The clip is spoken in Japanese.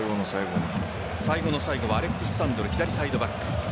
最後の最後はアレックス・サンドロ左サイドバック。